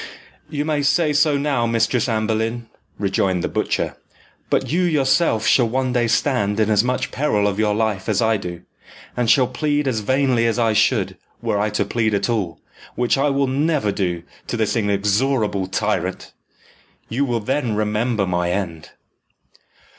"You say so now, Mistress Anne Boleyn," rejoined the butcher; "but you yourself shall one day stand in as much peril of your life as I do, and shall plead as vainly as I should, were I to plead at all, which I will never do to this inexorable tyrant. You will then remember my end."